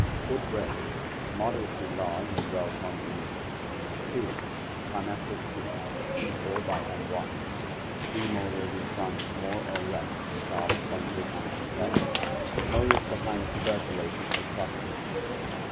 Good brain, moderately large and well convoluted. 2. Carnassial tooth =~, premolars in front more or less sharp pointed and compressed; molars behind tuberculated for crushing.